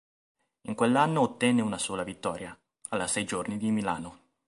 In quell'anno ottenne una sola vittoria, alla Sei giorni di Milano.